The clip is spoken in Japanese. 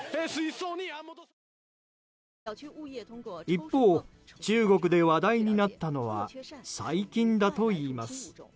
一方、中国で話題になったのは最近だといいます。